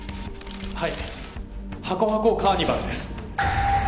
はい「ハコハコカーニバル」です。